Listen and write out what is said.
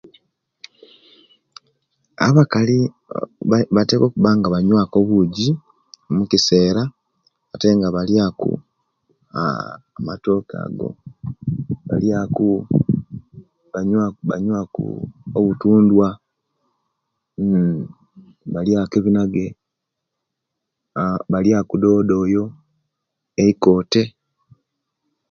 Abakali ba batera okubanga banyuwa ku obuji mukisera ate nga baliaku amatoke ago baliaku banyuwa ku banyuwaa ku obutundwa née baliaku ebinage aa baliaku dodo oyo, eikote